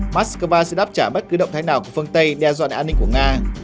moscow sẽ đáp trả bất cứ động thái nào của phương tây đe dọa an ninh của nga